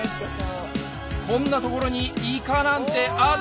こんなところにイカなんてあっ！